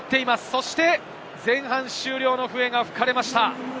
そして前半終了の笛が吹かれました。